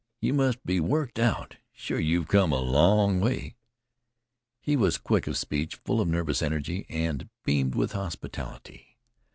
You must be worked out. Sure you've come a long way." He was quick of speech, full of nervous energy, and beamed with hospitality.